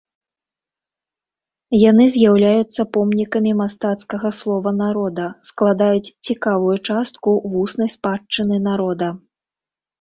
Яны з'яўляюцца помнікамі мастацкага слова народа, складаюць цікавую частку вуснай спадчыны народа.